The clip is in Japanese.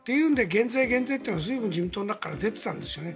減税、減税というのは随分、自民党の中からも出ていたんですよね。